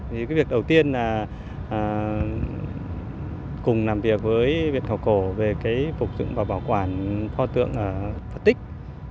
vì cái việc đầu tiên là cùng làm việc với viện học cổ về cái phục dụng và bảo quản pho tượng ở phật tích